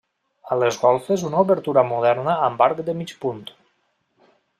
A les golfes una obertura moderna amb arc de mig punt.